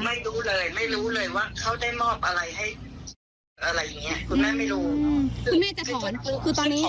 เมื่อประกันซึ่งออกมาเมื่อแตงโมเสียชีวิตแล้ว